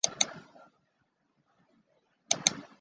成城大学出身。